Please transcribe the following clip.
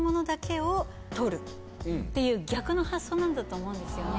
逆の発想なんだと思うんですよね。